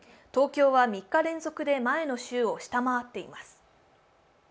東京は３日連続で前の週を下回っています。